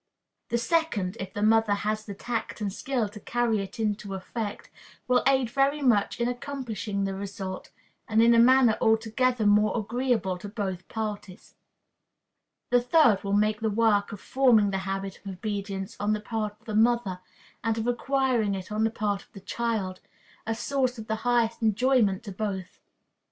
The second, if the mother has the tact and skill to carry it into effect, will aid very much in accomplishing the result, and in a manner altogether more agreeable to both parties. The third will make the work of forming the habit of obedience on the part of the mother, and of acquiring it on the part of the child, a source of the highest enjoyment to both.